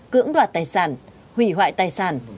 cưỡng đoạt tài sản hủy hoại tài sản